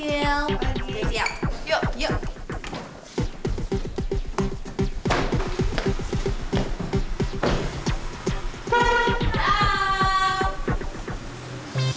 siap siap siap siap